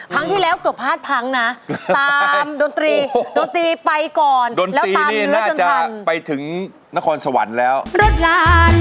ครั้งที่แล้วเกือบพลาดพังนะตามดนตรีดนตรีไปก่อนแล้วตามเนื้อจนทัน